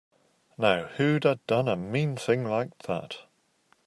Now who'da done a mean thing like that?